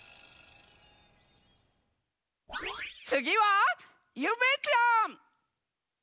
つぎはゆめちゃん！